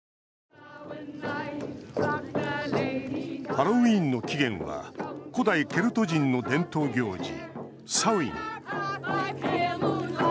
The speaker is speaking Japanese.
ハロウィーンの起源は古代ケルト人の伝統行事サウィン。